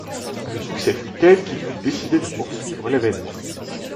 Le succès fut tel qu'il fut décidé de poursuivre l'événement.